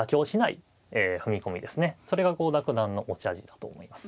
それが郷田九段の持ち味だと思います。